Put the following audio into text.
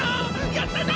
やったな！